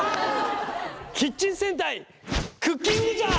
キッチン戦隊クッキングジャー！